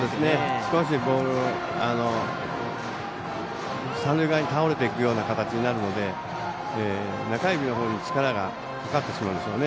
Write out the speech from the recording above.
少しボール三塁側に倒れていくような形になるので中指のほうに力がかかってしまうんですよね。